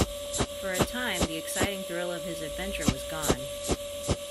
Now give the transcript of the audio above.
For a time the exciting thrill of his adventure was gone.